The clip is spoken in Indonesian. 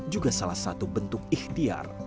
juga salah satu bentuk ikhtiar